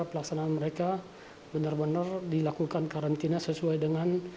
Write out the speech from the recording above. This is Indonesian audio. pelaksanaan mereka benar benar dilakukan karantina sesuai dengan